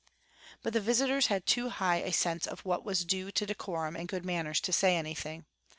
But the visitors had too high a sense of what was due to decorum and good manners to say anything.